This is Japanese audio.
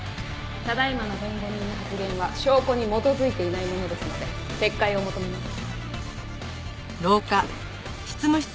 ただ今の弁護人の発言は証拠に基づいていないものですので撤回を求めます。